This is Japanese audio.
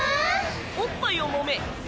おっぱいをもめ。